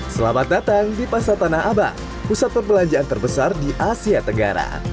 selamat datang di pasar tanah abang pusat perbelanjaan terbesar di asia tenggara